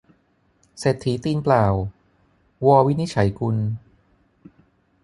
เศรษฐีตีนเปล่า - ว วินิจฉัยกุล